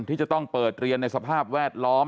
ที่จะต้องเปิดเรียนในสภาพแวดล้อม